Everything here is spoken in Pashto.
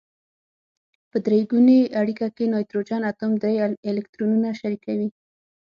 په درې ګونې اړیکه کې نایتروجن اتوم درې الکترونونه شریکوي.